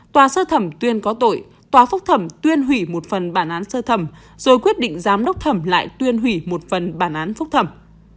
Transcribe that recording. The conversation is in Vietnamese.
tòa sơ thẩm tuyên có tội tòa phúc thẩm tuyên hủy một phần bản án sơ thẩm rồi quyết định giám đốc thẩm lại tuyên hủy một phần bản án phúc thẩm